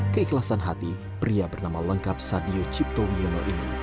keikhlasan hati pria bernama lengkap sadiyu cipto wiyono ini